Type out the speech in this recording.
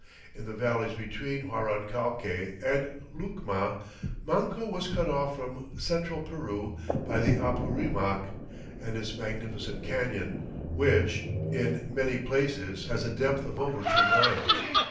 In the valleys between Huarancalque and Lucma, Manco was cut off from central Peru by the Apurimac and its magnificent canyon, which in many places has a depth of over two miles.